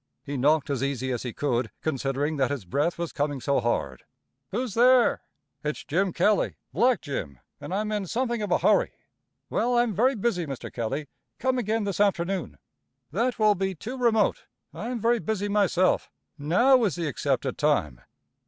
He knocked as easy as he could, considering that his breath was coming so hard. "Who's there?" "It's Jim Kelley, Black Jim, and I'm in something of a hurry." "Well, I'm very busy, Mr. Kelley. Come again this afternoon." "That will be too remote. I am very busy myself. Now is the accepted time.